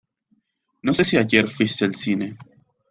No sé si ayer fuiste al cine.